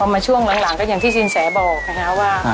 มาช่วงหลังก็อย่างที่สินแสบอกนะคะว่า